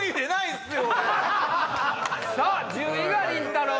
１０位がりんたろー。